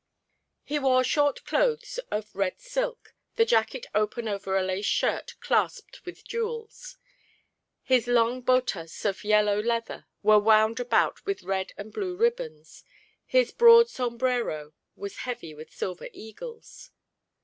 He wore short clothes of red silk, the jacket open over a lace shirt clasped with jewels. His long botas of yellow leather were wound about with red and blue ribbons; his broad sombrero was heavy with silver eagles.